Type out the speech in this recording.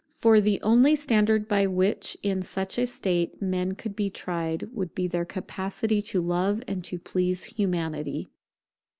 For the only standard by which in such a state men could be tried would be their capacity to love and to please Humanity.